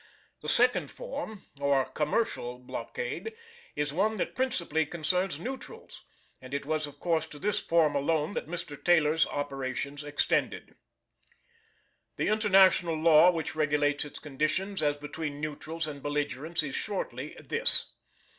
The second form, or commercial blockade, is one that principally concerns neutrals, and it was of course to this form alone that Mr. Taylor's operations extended. The International Law which regulates its conditions as between neutrals and belligerents is shortly this.